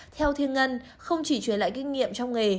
theo thiên ngân không chỉ truyền lại kinh nghiệm trong nghề